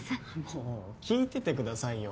もう聞いててくださいよ。